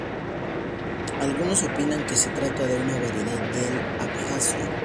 Algunos opinan que se trata de una variedad del abjasio.